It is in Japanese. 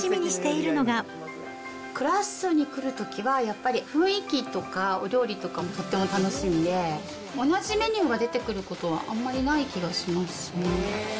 クラッソに来るときには、やっぱり雰囲気とか、お料理とかもとっても楽しみで、同じメニューが出てくることはあんまりない気がしますね。